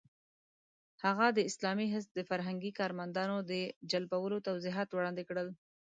هغه د اسلامي حزب د فرهنګي کارمندانو د جلبولو توضیحات وړاندې کړل.